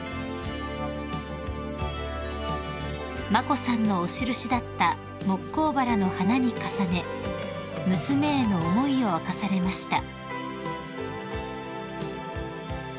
［眞子さんのお印だったモッコウバラの花に重ね娘への思いを明かされました］